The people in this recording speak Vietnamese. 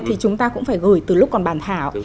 thì chúng ta cũng phải gửi từ lúc còn bàn thảo